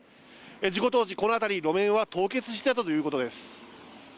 事故当時、この辺り、路面は凍結していたということです。